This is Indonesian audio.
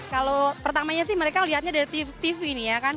kalau pertamanya sih mereka lihatnya dari tv ini ya kan